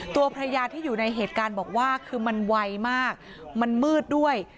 ตัวภรรยาที่อยู่ในเหตุการณ์บอกว่าคือมันไวมากมันมืดด้วย